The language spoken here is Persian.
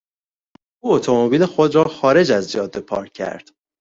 او اتومبیل خود را خارج از جاده پارک کرد.